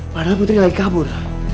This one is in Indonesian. padahal putri lagi kabur